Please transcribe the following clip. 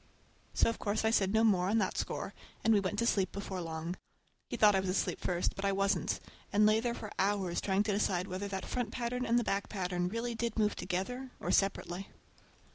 So of course I said no more on that score, and we went to sleep before long. He thought I was asleep first, but I wasn't,—I lay there for hours trying to decide whether that front pattern and the back pattern really did move together or separately.